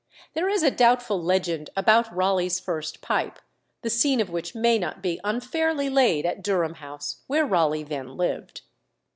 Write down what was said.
There is a doubtful legend about Raleigh's first pipe, the scene of which may be not unfairly laid at Durham House, where Raleigh then lived.